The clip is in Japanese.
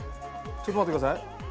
ちょっと待って下さい。